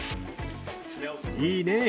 いいね。